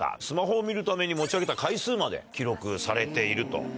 スマホを見るために持ち上げた回数まで記録されていると。